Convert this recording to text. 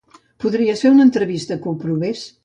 Podries fer una entrevista que ho provés.